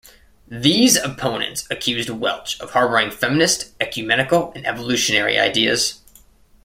These opponents accused Welch of harboring feminist, ecumenical, and evolutionary ideas.